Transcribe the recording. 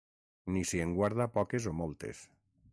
Ni si en guarda poques o moltes.